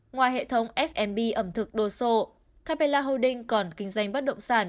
ngoài hệ thống f b ẩm thực đồ sộ capella holding còn kinh doanh bất động sản